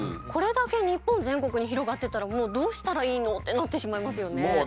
これだけ日本全国に広がってたらもうどうしたらいいのってなってしまいますよね。